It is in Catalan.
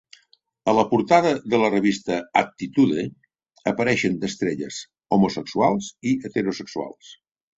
A la portada de la revista "Attitude" apareixen estrelles homosexuals i heterosexuals.